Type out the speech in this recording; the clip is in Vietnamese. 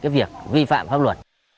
việc vi phạm pháp luật